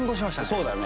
そうだね。